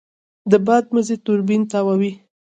د باد مزی توربین تاووي.